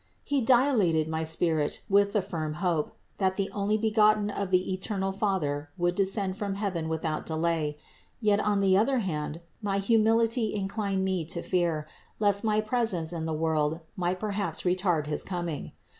He dilated my spirit with the firm hope, that the Onlybegotten of the eternal Father would descend from heaven without delay; yet on the other hand, my humility inclined me to fear, lest my presence in the world might perhaps retard his com ing.